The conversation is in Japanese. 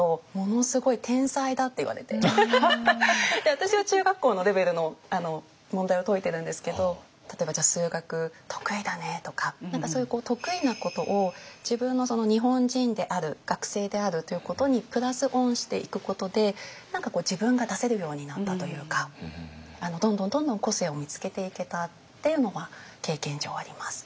私は中学校のレベルの問題を解いてるんですけど例えばじゃあ数学得意だねとかそういう得意なことを自分の日本人である学生であるということにプラス・オンしていくことで何かこう自分が出せるようになったというかどんどんどんどん個性を見つけていけたっていうのは経験上あります。